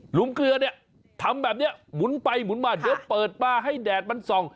มเกลือเนี่ยทำแบบนี้หมุนไปหมุนมาเดี๋ยวเปิดมาให้แดดมันส่อง